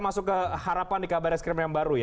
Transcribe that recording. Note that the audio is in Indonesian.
masuk ke harapan di kabar reskrim yang baru ya